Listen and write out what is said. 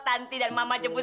tanti dan mama jebun